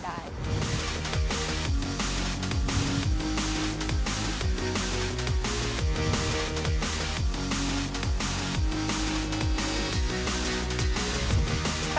การเล่นกับธรรมชาติ